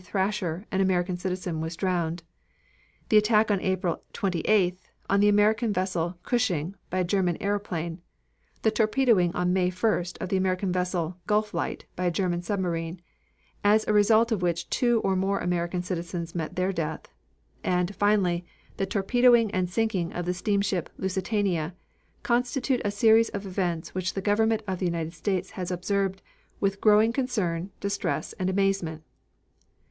Thrasher, an American citizen, was drowned; the attack on April 28th, on the American vessel Cushing by a German aeroplane; the torpedoing on May 1st of the American vessel Gulflight by a German submarine, as a result of which two or more American citizens met their death; and, finally, the torpedoing and sinking of the steamship Lusitania, constitute a series of events which the Government of the United States has observed with growing concern, distress, and amazement.